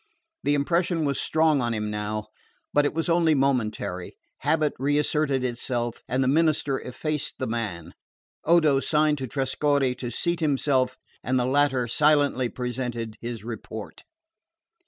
The impression was strong on him now but it was only momentary. Habit reasserted itself, and the minister effaced the man. Odo signed to Trescorre to seat himself and the latter silently presented his report.